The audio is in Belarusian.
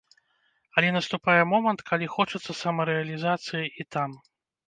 Але наступае момант, калі хочацца самарэалізацыі і там.